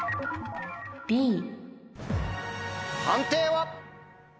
判定は？